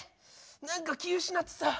何か気失ってた。